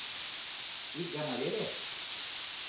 — Ик гана веле?